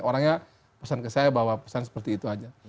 orangnya pesan ke saya bawa pesan seperti itu aja